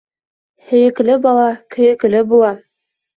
Һөйөклө бала көйөклө була.